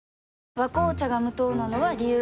「和紅茶」が無糖なのは、理由があるんよ。